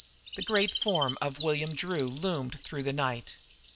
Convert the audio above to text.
The great form of William Drew loomed through the night.